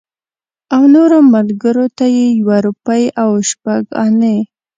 او نورو ملګرو ته یې یوه روپۍ او شپږ انې.